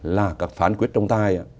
là các phán quyết trong tai